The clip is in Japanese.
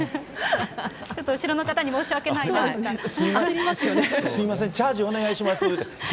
ちょっと後ろの方に申し訳ないなとか。